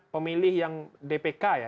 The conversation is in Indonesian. pemilih yang dpk ya